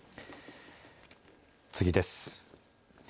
次です。